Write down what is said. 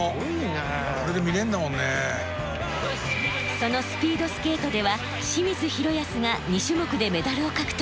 そのスピードスケートでは清水宏保が２種目でメダルを獲得。